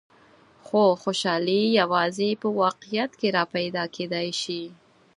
خو خوشحالي یوازې په واقعیت کې را پیدا کېدای شي.